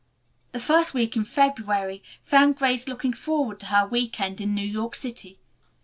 The first week in February found Grace looking forward to her week end in New York City.